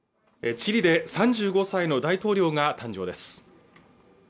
チリで３５歳の大統領が誕生です